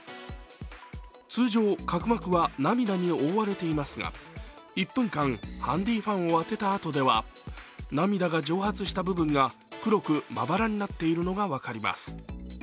通常、角膜は涙に覆われていますが１分間ハンディファンを当てたとでは涙が蒸発した部分は黒くまばらになっているのが分かります。